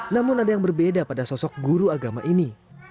namun ada yang berbeda pada sosok guru agama ini